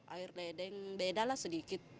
air ledeng bedalah sedikit